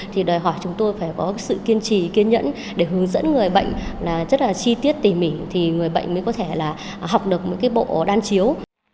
tôi phải có sự kiên trì kiên nhẫn để hướng dẫn người bệnh là rất là chi tiết tỉ mỉ thì người bệnh mới có thể là học được mấy cái bộ đan chiếu